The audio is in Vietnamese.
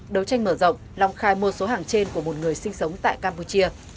đấu tranh mở rộng long khai mua số hàng trên của một người sinh sống tại campuchia